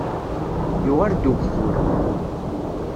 Yuɣal-d ugeffur.